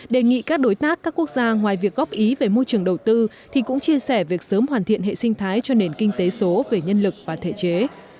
đề nghị các đối tác các quốc gia ngoài việc góp ý về môi trường đầu tư thì cũng chia sẻ việc sớm hoàn thiện hệ sinh thái cho nền kinh tế số về nhân lực và thể chế